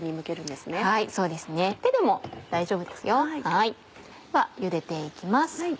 ではゆでて行きます。